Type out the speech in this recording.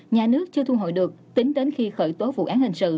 nhà nước chưa thu hồi được tính đến khi khởi tố vụ án hình sự